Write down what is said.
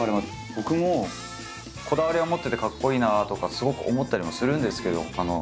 僕もこだわりは持っててかっこいいなあとかすごく思ったりもするんですけど。